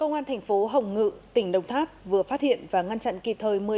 công an thành phố hồng ngự tỉnh đồng tháp vừa phát hiện và ngăn chặn kịp thời